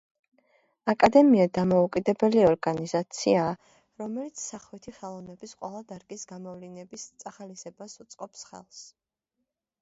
აკადემია დამოუკიდებელი ორგანიზაციაა, რომელიც სახვითი ხელოვნების ყველა დარგის გამოვლინების წახალისებას უწყობს ხელს.